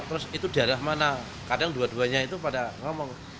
terus itu daerah mana kadang dua duanya itu pada ngomong